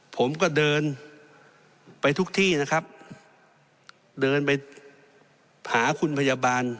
ผมก็เดินไปทุกที่นะครับเดินไปหาคุณพยาบาล